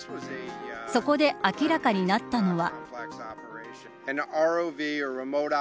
そこで明らかになったのは。